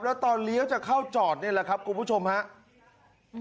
แล้วตอนเลี้ยวจะเข้าจอดนี่แหละครับคุณผู้ชมครับ